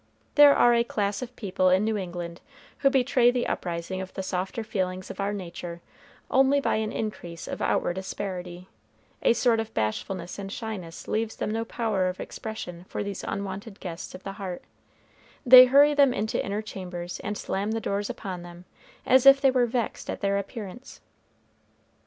There are a class of people in New England who betray the uprising of the softer feelings of our nature only by an increase of outward asperity a sort of bashfulness and shyness leaves them no power of expression for these unwonted guests of the heart they hurry them into inner chambers and slam the doors upon them, as if they were vexed at their appearance.